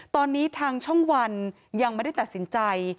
ตอนนี้ทางช่องวันยังไม่ได้ตัดสินใจ